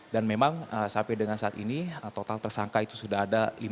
dan memang sampai dengan saat ini total tersangka itu sudah ada lima belas